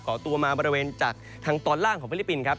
่อตัวมาบริเวณจากทางตอนล่างของฟิลิปปินส์ครับ